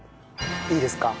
いいですか？